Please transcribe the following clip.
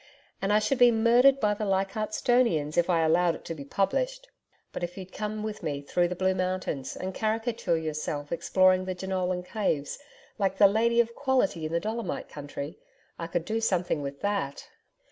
And I should be murdered by the Leichardt'stonians if I allowed it to be published. But if you'd come with me through the Blue Mountains and caricature yourself exploring the Jenolan Caves like the "Lady of Quality" in the Dolomite Country I could do something with that.'